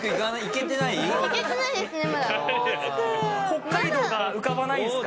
北海道が浮かばないですか？